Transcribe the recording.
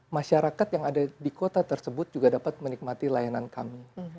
masyarakat yang ada di kota tersebut juga dapat menikmati layanan kami